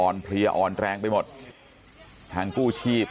เพลียอ่อนแรงไปหมดทางกู้ชีพ